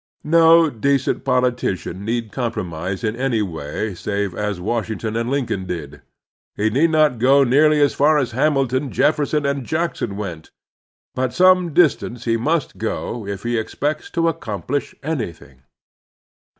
No decent politician need com promise in any way save as Washington and Promise and Performance 141 Lincoln did. He need not go nearly as far as Hamilton, Jefferson, and Jackson went ; but some distance he miist go if he expects to accomplish anything.